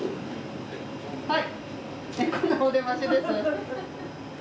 はい！